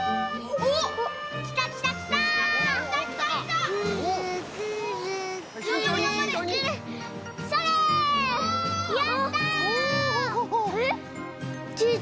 おっ！